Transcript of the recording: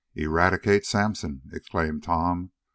"Eradicate Sampson!" exclaimed Tom.